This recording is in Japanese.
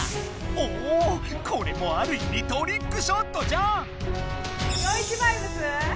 おおこれもあるいみトリックショットじゃん！